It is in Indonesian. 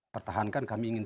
pertahankan kami ingin